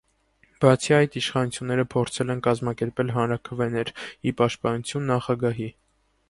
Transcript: Բացի այդ, իշխանությունները փորձել են կազմակերպել հանրաքվեներ՝ ի պաշտպանություն նախագահի։